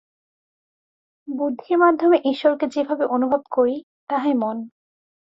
বুদ্ধির মাধ্যমে ঈশ্বরকে যেভাবে অনুভব করি, তাহাই মন।